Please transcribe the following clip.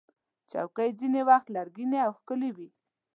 چوکۍ ځینې وخت لرګینې او ښکلې وي.